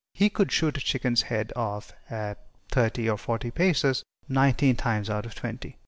He could shoot a chicken's head off at thirty or forty paces nineteen times out of twenty.